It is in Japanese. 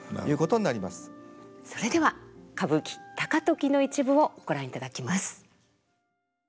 それでは歌舞伎「高時」の一部をご覧いただきます。